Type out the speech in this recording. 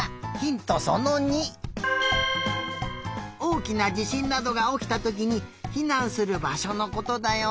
おおきなじしんなどがおきたときにひなんするばしょのことだよ。